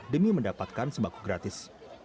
demi mendapatkan sembako gratis